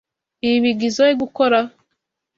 Ibi bigizoe gukora?